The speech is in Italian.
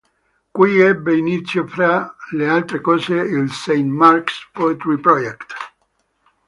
Qui ebbe inizio fra le altre cose il St. Mark's Poetry Project.